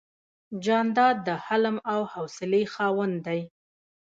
جانداد د حلم او حوصلې خاوند دی.